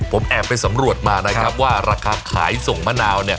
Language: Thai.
ผมแอบไปสำรวจมานะครับว่าราคาขายส่งมะนาว